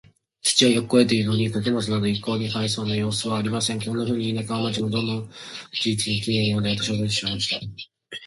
土はよく肥えているのに、穀物など一向に生えそうな様子はありません。こんなふうに、田舎も街も、どうも実に奇妙なので、私は驚いてしまいました。